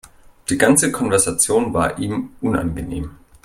Die ganze Konversation war ihm unangenehm.